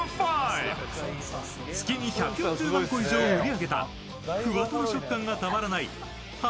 月に１４０万以上売り上げたフワとろ食感がたまらない八